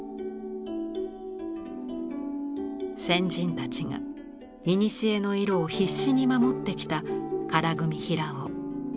先人たちがいにしえの色を必死に守ってきた唐組平緒。